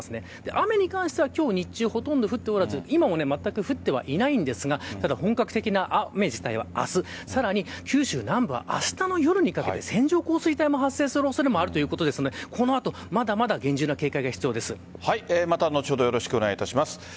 雨に関しては今日、日中ほとんど降っておらず今もまったく降っていないんですが本格的な雨自体は明日さらに九州南部はあしたの夜にかけて線状降水帯も発生する恐れもあるということですのでこの後まだまだまた、後ほどお願いします。